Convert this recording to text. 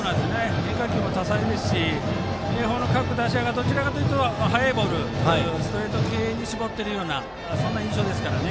変化球も多彩ですし明豊の各打者はどちらかというと速いボールストレート系に絞っているような印象ですから。